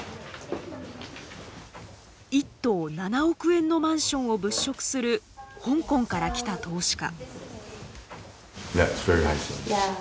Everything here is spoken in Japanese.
１棟７億円のマンションを物色する香港から来た投資家。